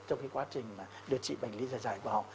trong cái quá trình điều trị bệnh lý dài dài của họ